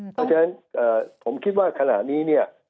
เพราะฉะนั้นผมคิดว่าขณะนี้เนี่ย